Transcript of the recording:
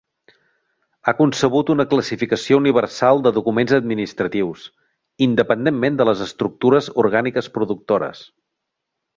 Ha concebut una classificació universal de documents administratius, independentment de les estructures orgàniques productores.